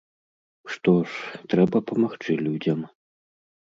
Што ж, трэба памагчы людзям.